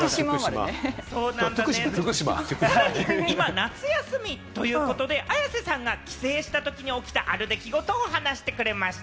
さらに今夏休みということで、綾瀬さんが帰省したときに起きたある出来事を話してくれました。